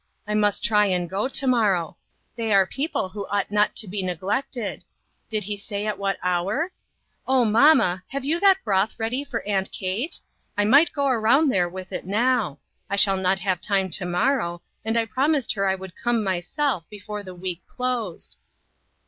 I must try and go to morrow. They are people who ought not to be neglected. Did he say at what hour? Oh, mamma, have you that broth ready for aunt Kate ? I might go around there with it now : I shall not have time to morrow, and I promised her I would come myself before the week closed."